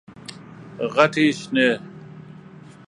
غټي شنې،